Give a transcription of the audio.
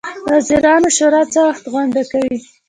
د وزیرانو شورا څه وخت غونډه کوي؟